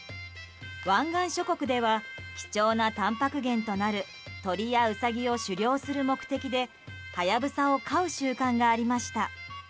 湾岸諸国では貴重なたんぱく源となる鳥やウサギを狩猟する目的でハヤブサを飼う習慣がありました。